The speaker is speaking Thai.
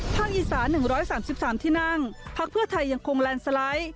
อีสา๑๓๓ที่นั่งพักเพื่อไทยยังคงแลนด์สไลด์